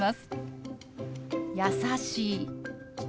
「優しい」。